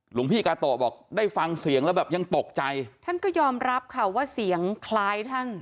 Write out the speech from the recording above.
หลวงพี่กาโตะบอกได้ฟังเสียงแล้วแบบยังตกใจท่านก็ยอมรับค่ะว่าเสียงคล้ายท่าน